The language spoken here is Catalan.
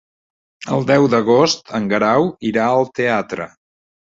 El deu d'agost en Guerau irà al teatre.